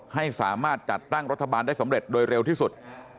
ให้สามารถจัดตั้งรัฐบาลได้สำเร็จโดยเร็วที่สุด